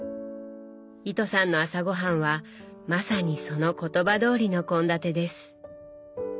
糸さんの朝ごはんはまさにその言葉どおりの献立です。